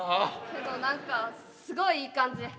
けど何かすごいいい感じ。